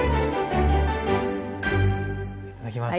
いただきます！